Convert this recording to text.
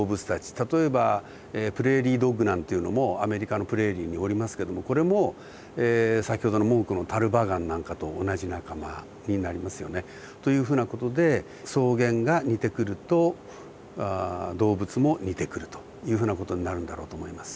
例えばプレーリードッグなんていうのもアメリカのプレーリーにおりますけどこれも先ほどのモンゴルのタルバガンなんかと同じ仲間になりますよね。というふうな事で草原が似てくると動物も似てくるというふうな事になるんだろうと思います。